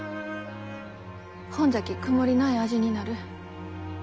ほんじゃき曇りない味になる。